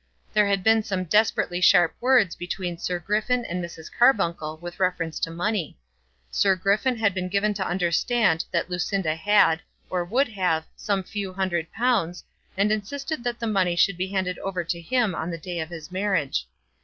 There had been some desperately sharp words between Sir Griffin and Mrs. Carbuncle with reference to money. Sir Griffin had been given to understand that Lucinda had, or would have, some few hundred pounds, and insisted that the money should be handed over to him on the day of his marriage.